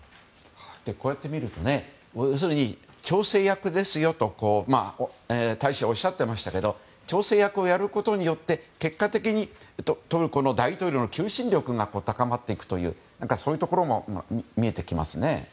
こうやってみると調整役ですよと大使はおっしゃっていましたけど調整役をやることによって結果的に、トルコの大統領の求心力が高まっていくというそういうところも見えてきますね。